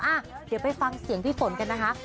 อ่ะเดี๋ยวไปฟังเสียงพี่ฝนกันนะคะ